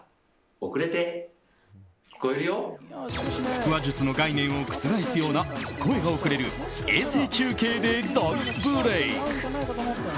腹話術の概念を覆すような声が遅れる衛星中継で大ブレーク。